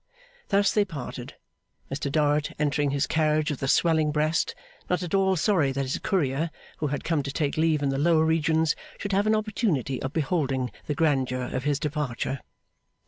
Thus they parted; Mr Dorrit entering his carriage with a swelling breast, not at all sorry that his Courier, who had come to take leave in the lower regions, should have an opportunity of beholding the grandeur of his departure.